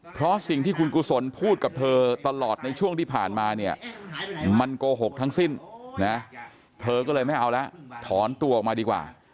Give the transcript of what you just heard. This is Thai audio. เพราะสิ่งที่คุณกุศลพูดกับเธอตลอดในช่วงที่ผ่านมาเนี่ยมันโกหกทั้งสิ้นนะเธอก็เลยไม่เอาแล้วถอนตัวออกมาดีกว่า